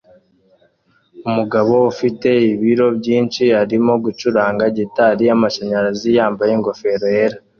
Umugabo ufite ibiro byinshi arimo gucuranga gitari yamashanyarazi yambaye ingofero yera